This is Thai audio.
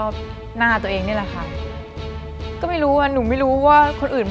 พลอยเชื่อว่าเราก็จะสามารถชนะเพื่อนที่เป็นผู้เข้าประกวดได้เหมือนกัน